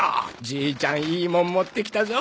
じいちゃんいいもん持ってきたぞ。